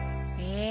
え。